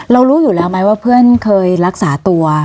รู้อยู่แล้วไหมว่าเพื่อนเคยรักษาตัว